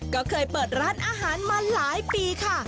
ก็เคยเปิดร้านอาหารมาหลายปีค่ะ